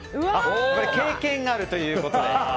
経験があるということで。